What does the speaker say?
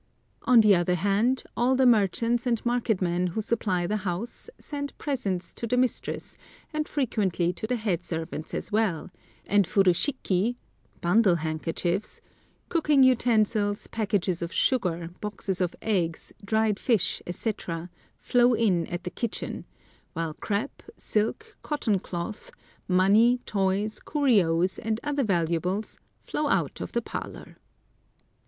On the other hand, all the merchants and marketmen who supply the house send presents to the mistress and frequently to the head servants as well, and furushiki (bundle handkerchiefs), cooking utensils, packages of sugar, boxes of eggs, dried fish, etc., flow in at the kitchen; while crêpe, silk, cotton cloth, money, toys, curios, and other valuables flow out of the parlor.